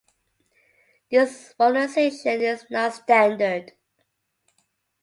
This romanisation is not standard.